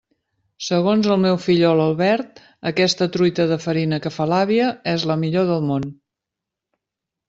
Segons el meu fillol Albert, aquesta truita de farina que fa l'àvia és «la millor del món».